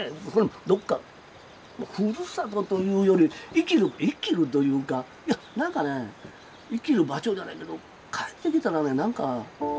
どっかふるさとというより生きる生きるというかなんかね生きる場所じゃないけど帰ってきたらねなんか。